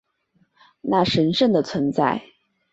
那神圣的存在